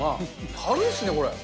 軽いですね、これ。